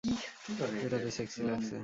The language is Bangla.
এটাতে সেক্সি লাগছে।